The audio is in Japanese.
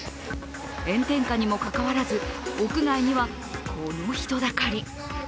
炎天下にもかかわらず、屋外にはこの人だかり。